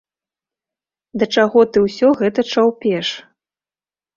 Да чаго ты ўсё гэта чаўпеш?